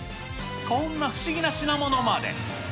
こんな不思議な品物まで。